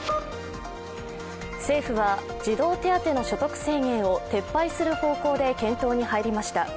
政府は、児童手当の所得制限を撤廃する方向で検討に入りました。